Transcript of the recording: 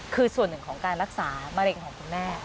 คือส่วนหนึ่งของการรักษามะเร็งของคุณแม่